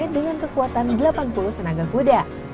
dengan kekuatan delapan puluh tenaga kuda